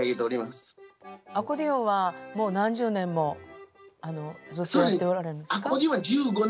アコーディオンはもう何十年もずっとやっておられるんですか？